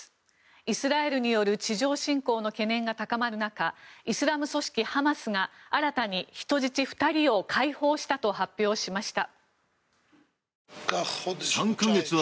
イスラエルによる地上侵攻の懸念が高まる中イスラム組織ハマスが新たに人質２人を解放したと発表しました。